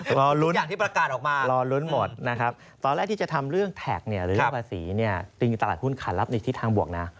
รอรุ้นรอรุ้นหมดนะครับตอนแรกที่จะทำเรื่องแท็กเนี่ยหรือแรกภาษีเนี่ยติดต่อหลักหุ้นขายรับที่ทางบวกนะ